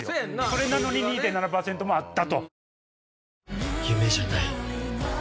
それなのに２．７％もあった。